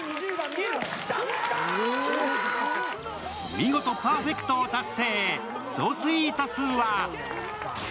見事パーフェクトを達成！